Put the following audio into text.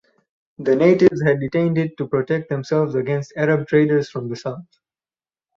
The natives had detained it to protect themselves against Arab traders from the South.